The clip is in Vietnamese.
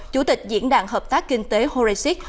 chủ tịch diễn đàn hợp tác kinh tế horexit